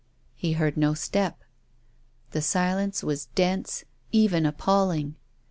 He heard no step. The silence was dense, even appalling.